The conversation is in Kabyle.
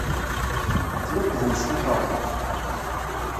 Tettwatthem s tukerḍa.